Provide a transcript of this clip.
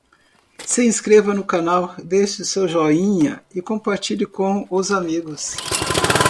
Se inscreva no canal, deixe seu joinha e compartilhe com os amigos